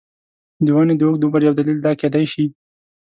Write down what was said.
د ونې د اوږد عمر یو دلیل دا کېدای شي.